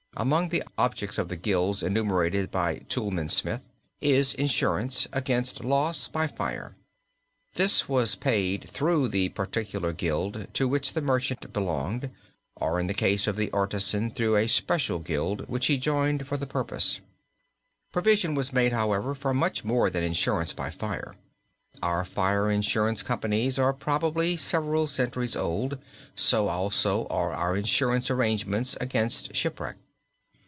Among the objects of the gilds enumerated by Toulmin Smith is insurance against loss by fire. This was paid through the particular gild to which the merchant belonged, or in the case of the artisan through a special gild which he joined for the purpose. Provision was made, however, for much more than insurance by fire. Our fire insurance companies are probably several centuries old, so also are our insurance arrangements against shipwreck.